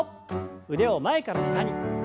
腕を前から下に。